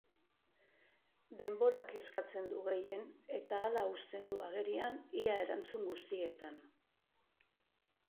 Denborak kezkatzen du gehien, eta hala uzten du agerian ia erantzun guztietan.